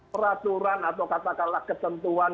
peraturan atau katakanlah ketentuan